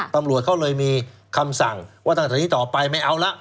ตำรวจเขาเลยมีคำสั่งว่าตั้งแต่นี้ต่อไปไม่เอาละ